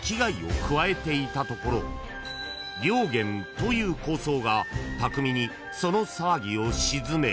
［という高僧が巧みにその騒ぎを鎮め